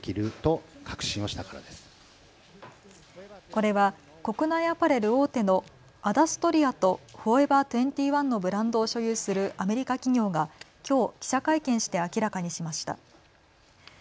これは国内アパレル大手のアダストリアとフォーエバー２１のブランドを所有するアメリカ企業がきょう記者会見して明らかにしました。